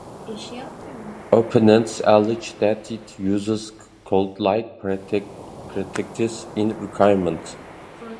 Opponents allege that it uses cult-like practices in recruitment.